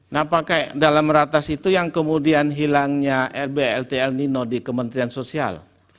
nah pakai dalam ratas itu yang kemudian hilangnya rblt el nino di kementerian sosial